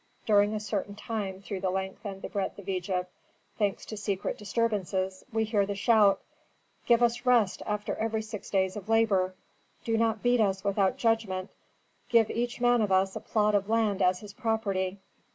During a certain time through the length and the breadth of Egypt, thanks to secret disturbances, we hear the shout: 'Give us rest after every six days of labor! Do not beat us without judgment! Give each man of us a plot of land as his property!'